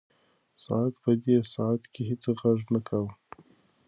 ساعت په دې ساعت کې هیڅ غږ نه کاوه.